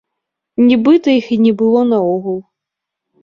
Нібыта іх і не было наогул.